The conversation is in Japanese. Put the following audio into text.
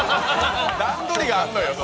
段取りがあんのよ。